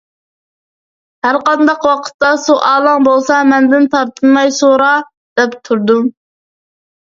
«ھەر قانداق ۋاقىتتا سوئالىڭ بولسا، مەندىن تارتىنماي سورا» دەپ تۇردۇم.